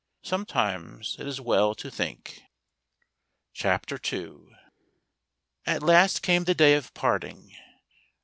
Sometimes it is well to think. Chapter II. At last came the day of parting.